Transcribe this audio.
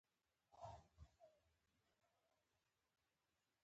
محمد یعقوب یو پياوړی بالر وو.